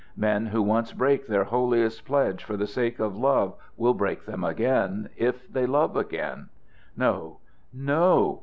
Men who once break their holiest pledges for the sake of love will break them again, if they love again. No, no!